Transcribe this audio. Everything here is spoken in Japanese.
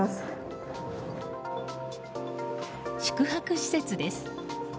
宿泊施設です。